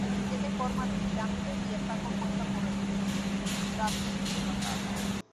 Tiene forma de pirámide y está compuesta por estratos de basalto.